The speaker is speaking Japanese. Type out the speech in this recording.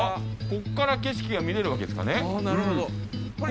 ここから景色が見られるわけですかね。